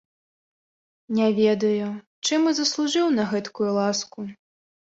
Не ведаю, чым і заслужыў на гэткую ласку?